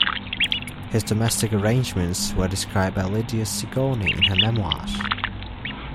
His domestic arrangements were described by Lydia Sigourney in her memoirs.